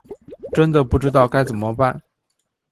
真的不知道该怎么办